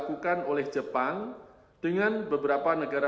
didorong oleh belum kuatnya pesimisme konsumen dan investor